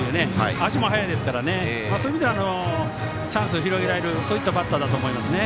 足も速いですしチャンスを広げられるそういったバッターだと思いますね。